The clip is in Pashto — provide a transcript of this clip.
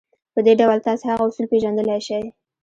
په دې ډول تاسې هغه اصول پېژندلای شئ.